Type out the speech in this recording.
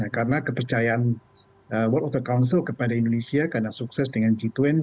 karena kepercayaan world water council kepada indonesia karena sukses dengan g dua puluh